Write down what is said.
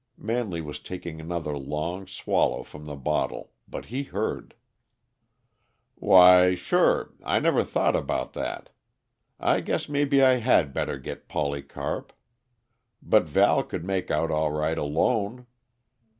Manley was taking another long swallow from the bottle, but he heard. "Why, sure I never thought about that. I guess maybe I had better get Polycarp. But Val could make out all right alone.